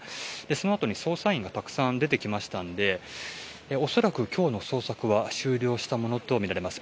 その後に捜査員がたくさん出てきましたんでおそらく今日の捜索は終了したものとみられます。